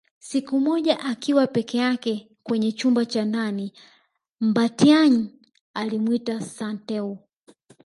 Siku moja akiwa peke yake kwenye chumba cha ndani Mbatiany alimwita Santeu